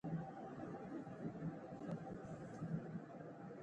انساني کرامت ته درناوی وکړئ.